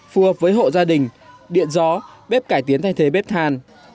phù hợp với hộ gia đình điện gió bếp cải tiến thay thế bếp than